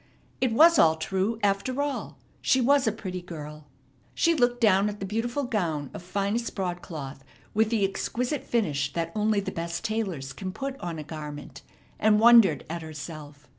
It was all true, after all. She was a pretty girl. She looked down at the beautiful gown of finest broadcloth, with the exquisite finish that only the best tailors can put on a garment, and wondered at herself.